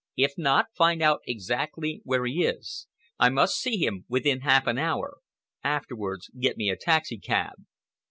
If not, find out exactly where he is. I must see him within half an hour. Afterwards, get me a taxicab."